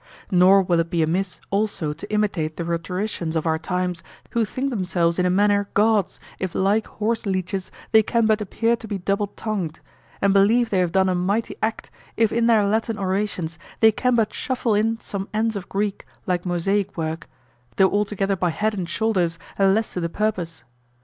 Nor will it be amiss also to imitate the rhetoricians of our times, who think themselves in a manner gods if like horse leeches they can but appear to be double tongued, and believe they have done a mighty act if in their Latin orations they can but shuffle in some ends of Greek like mosaic work, though altogether by head and shoulders and less to the purpose.